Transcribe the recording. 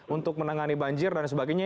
untuk menangani banjir dan sebagainya